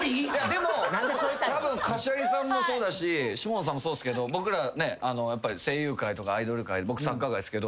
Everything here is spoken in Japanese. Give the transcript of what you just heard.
でもたぶん柏木さんもそうだし下野さんもそうっすけど僕ら声優界とかアイドル界僕サッカー界っすけど。